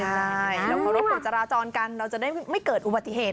ใช่เราเคารพกฎจราจรกันเราจะได้ไม่เกิดอุบัติเหตุ